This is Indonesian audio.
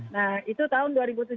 nah itu tahun dua ribu tujuh belas